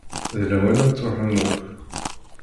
D lawan ad d-truḥem akk.